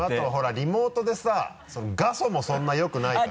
リモートでさ画素もそんなよくないからさ。